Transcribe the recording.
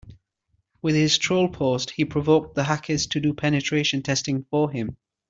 With his troll post he provoked the hackers to do penetration testing for him.